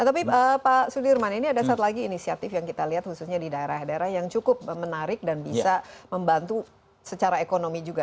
tapi pak sudirman ini ada satu lagi inisiatif yang kita lihat khususnya di daerah daerah yang cukup menarik dan bisa membantu secara ekonomi juga